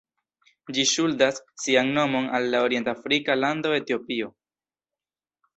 Ĝi ŝuldas sian nomon al la orient-afrika lando Etiopio.